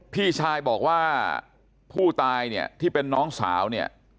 พี่ชายบอกว่าผู้ตายเนี่ยที่เป็นน้องสาวเนี่ย